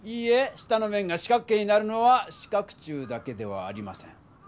下の面が四角形になるのは四角柱だけではありません。